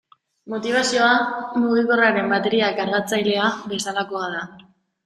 Motibazioa mugikorraren bateria kargatzailea bezalakoa da.